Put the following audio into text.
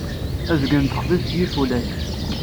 Azgen n texbizt yif ulac.